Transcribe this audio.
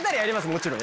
もちろん。